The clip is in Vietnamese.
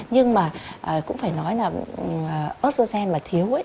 nhưng mà cũng phải nói là estrogen mà thiếu ấy